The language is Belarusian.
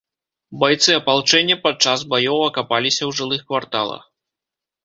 Байцы апалчэння падчас баёў акапаліся ў жылых кварталах.